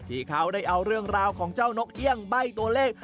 ที่เขาได้เอาเรื่องราวของเจ้านกเอี่ยงใบ้ตัวเลข